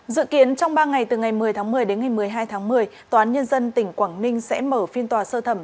dự kiến trong ba ngày từ ngày một mươi tháng một mươi đến ngày một mươi hai tháng một mươi tòa án nhân dân tỉnh quảng ninh sẽ mở phiên tòa sơ thẩm